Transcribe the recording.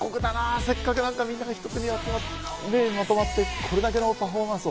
せっかくみんなが一つになって、まとまって、これだけのパフォーマンスを。